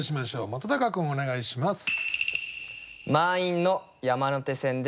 本君お願いします。